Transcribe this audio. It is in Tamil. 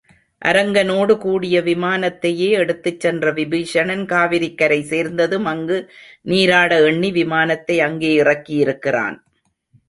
அரங்கனோடு கூடிய விமானத்தையே எடுத்துச் சென்ற விபீஷணன் காவிரிக்கரை சேர்ந்ததும் அங்கு நீராட எண்ணி விமானத்தை அங்கே இறக்கியிருக்கிறான்.